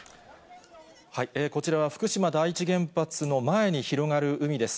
こちらは福島第一原発の前に広がる海です。